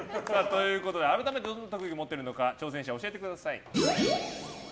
改めてどんな特技を持っているのか挑戦者、教えてください。